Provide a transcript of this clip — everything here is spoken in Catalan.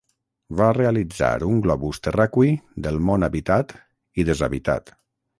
Va realitzar un globus terraqüi del món habitat i deshabitat.